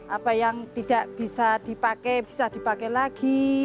apa yang tidak bisa dipakai bisa dipakai lagi